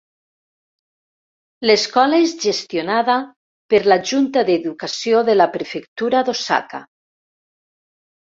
L'escola és gestionada per la junta d'educació de la prefectura d'Osaka.